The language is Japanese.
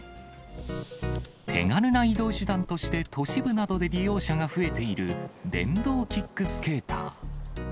手軽な移動手段として都市部などで利用者が増えている電動キックスケーター。